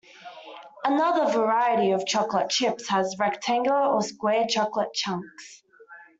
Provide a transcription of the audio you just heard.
Another variety of chocolate chips has rectangular or square chocolate chunks.